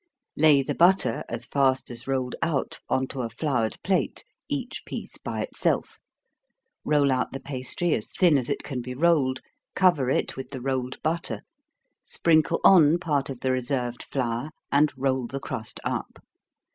Lay the butter, as fast as rolled out, on to a floured plate, each piece by itself roll out the pastry as thin as it can be rolled, cover it with the rolled butter, sprinkle on part of the reserved flour, and roll the crust up.